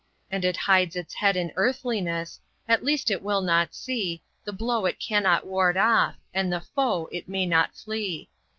And it hides its head in earthliness; at least it will not see The blow it cannot ward off; and the foe it may not flee.